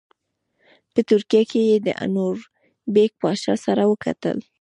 په ترکیه کې یې د انوربیګ پاشا سره وکتل.